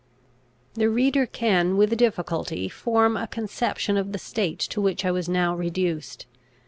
The reader can with difficulty form a conception of the state to which I was now reduced.